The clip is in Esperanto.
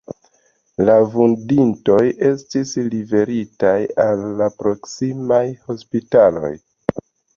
La vunditoj estis liveritaj al la proksimaj hospitaloj.